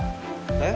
えっ？